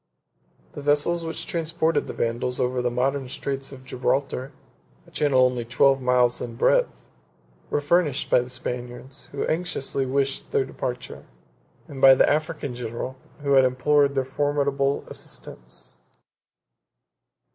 The vessels which transported the Vandals over the modern Straits of Gibraltar, a channel only twelve miles in breadth, were furnished by the Spaniards, who anxiously wished their departure; and by the African general, who had implored their formidable assistance.